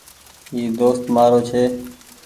ايٚ دوست مآرو ڇي